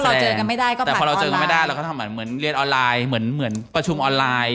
แต่นี่พอเราเจอกันไม่ได้ก็ผ่านออนไลน์แต่พอเราเจอกันไม่ได้เราก็ทำเหมือนเรียนออนไลน์เหมือนประชุมออนไลน์